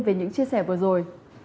về những chia sẻ vừa rồi